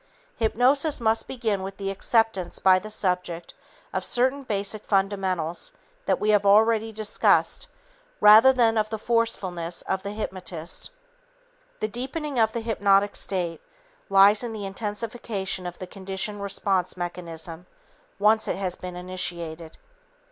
Hypnosis must begin with the acceptance by the subject of certain basic fundamentals that we have already discussed rather than of the forcefulness of the hypnotist. The deepening of the hypnotic state lies in the intensification of the conditioned response mechanism once it has been initiated.